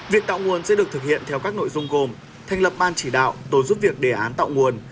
việc tạo nguồn sẽ được thực hiện theo các nội dung gồm thành lập ban chỉ đạo tổ giúp việc đề án tạo nguồn